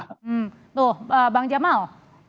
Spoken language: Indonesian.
hmm tuh bang jamal